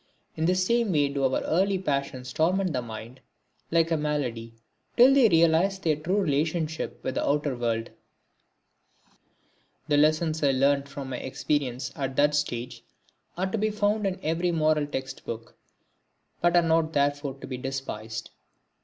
In the same way do our early passions torment the mind, like a malady, till they realise their true relationship with the outer world. The lessons I learnt from my experiences at that stage are to be found in every moral text book, but are not therefore to be despised.